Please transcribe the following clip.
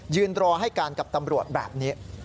ยืนรอให้การกับตำรวจแบบนี้